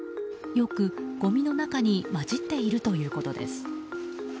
よく、ごみの中に混じっているということです。